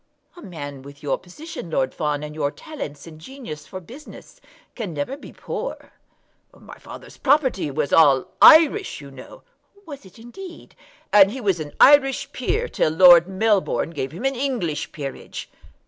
"A man with your position, Lord Fawn, and your talents and genius for business, can never be poor." "My father's property was all Irish, you know." "Was it indeed?" "And he was an Irish peer, till Lord Melbourne gave him an English peerage."